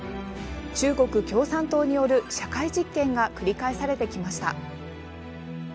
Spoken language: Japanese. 中国共産党による社会実験が繰り返されてきました。